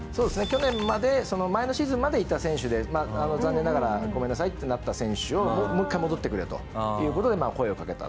去年までその前のシーズンまでいた選手で残念ながらごめんなさいってなった選手をもう一回戻ってくれという事で声をかけたと。